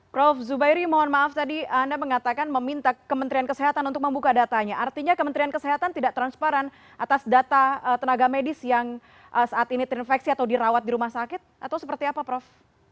prof zubairi mohon maaf tadi anda mengatakan meminta kementerian kesehatan untuk membuka datanya artinya kementerian kesehatan tidak transparan atas data tenaga medis yang saat ini terinfeksi atau dirawat di rumah sakit atau seperti apa prof